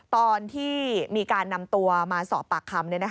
ตอนที่มีการนำตัวมาสอบปากคำ